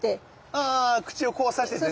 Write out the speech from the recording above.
ああ口をこうさしてってね。